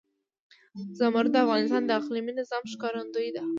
زمرد د افغانستان د اقلیمي نظام ښکارندوی ده.